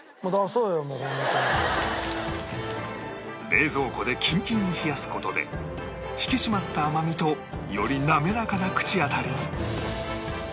冷蔵庫でキンキンに冷やす事で引き締まった甘みとよりなめらかな口当たりに